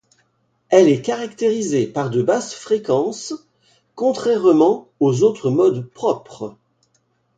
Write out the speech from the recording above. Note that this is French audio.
Elle est caractérisée par de basses fréquences contrairement aux autres modes propres.